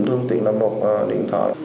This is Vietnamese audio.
thương tiện là một điện thoại